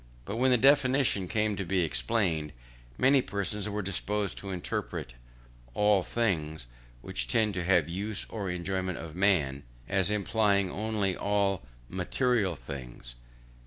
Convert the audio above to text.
But when this definition came to be explained, many persons were disposed to interpret "all things which tend to the use or enjoyment of man," as implying only all material things.